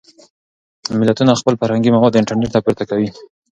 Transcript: ملتونه خپل فرهنګي مواد انټرنټ ته پورته کوي.